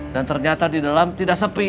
dan ternyata di dalam tidak sepi